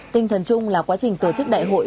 tinh thần chung là quá trình tổ chức đại hội